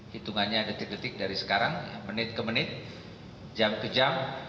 hitungannya detik detik dari sekarang menit ke menit jam ke jam